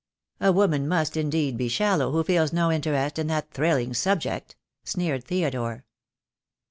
"A woman must, indeed, be shallow who feels no interest in that thrilling subject," sneered Theodore.